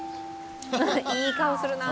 「いい顔するな」